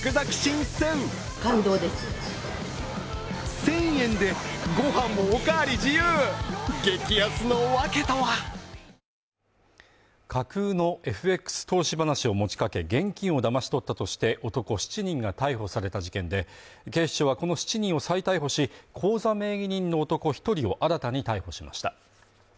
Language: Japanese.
１週間ずっとニオイこもらない「デオトイレ」架空のＦＸ投資話を持ちかけ現金をだまし取ったとして男７人が逮捕された事件で、警視庁はこの７人を再逮捕し口座名義人の男１人を新たに逮捕しました。